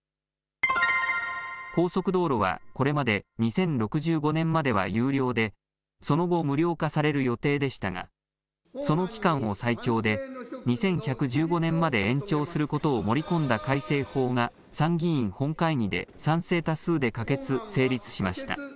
高速道路はこれまで２０６５年までは有料でその後無料化される予定でしたがその期間を最長で２１１５年まで延長することを盛り込んだ改正法が参議院本会議で賛成多数で可決・成立しました。